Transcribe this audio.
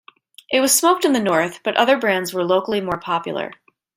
It was smoked in the north but other brands were locally more popular.